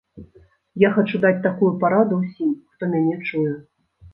Я хачу даць такую параду ўсім, хто мяне чуе.